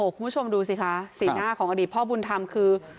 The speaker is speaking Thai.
คุณผู้ชมดูสิคะสีหน้าของอดีตพ่อบุญธรรมคือ